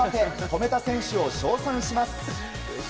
止めた選手を称賛します。